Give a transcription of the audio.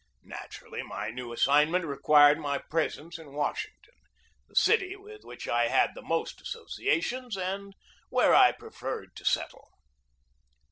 Naturally, my new as signment required my presence in Washington, the city with which I had the most associations, and where I preferred to settle.